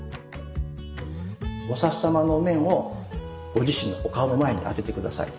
菩様のお面をご自身のお顔の前に当てて下さい。